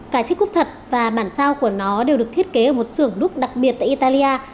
cả chiếc cúp thật và bản sao của nó đều được thiết kế ở một sưởng đúc đặc biệt tại italia